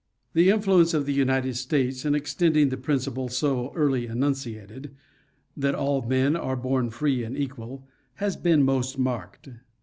The influence of the United States in extending the principle so early enunciated, "'that all men are born free and equal" has been most marked.